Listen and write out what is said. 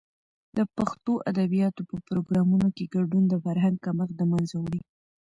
د پښتو ادبیاتو په پروګرامونو کې ګډون، د فرهنګ کمښت د منځه وړي.